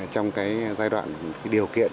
trong giai đoạn điều kiện